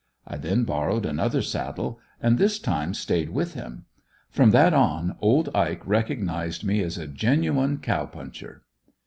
I then borrowed another saddle, and this time stayed with him. From that on, old Ike recognized me as a genuine cow puncher.